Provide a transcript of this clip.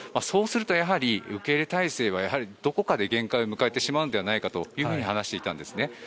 そうするとやはり受け入れ態勢はどこかで限界を迎えてしまうのではないかと話していたんですね。